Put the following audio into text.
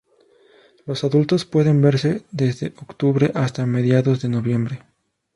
Los adultos pueden verse desde octubre hasta mediados de noviembre.